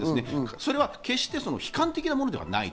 それは決して悲観的なものではない。